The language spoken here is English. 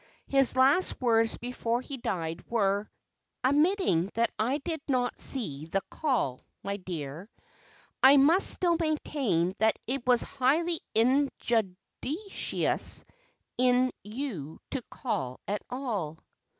His last words before he died were: "Admitting that I did not see the call, my dear, I must still maintain that it was highly injudicious in you to call at all."